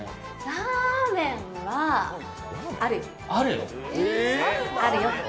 ラーメンは、ある、あるよ。